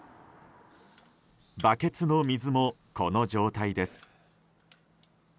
バケツの水もこの状態です。